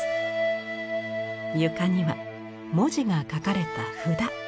床には文字が書かれた札。